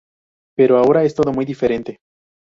Pero ahora es todo muy diferente.